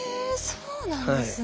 そうなんですね。